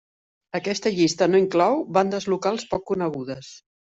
Aquesta llista no inclou bandes locals poc conegudes.